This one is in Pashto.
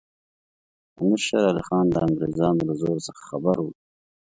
امیر شېر علي خان د انګریزانو له زور څخه خبر وو.